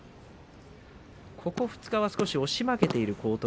ここ２日は少し押し負けている荒